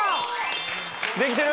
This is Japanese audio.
・できてる？